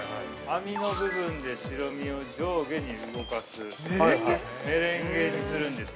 網の部分で白身を上下に動かす。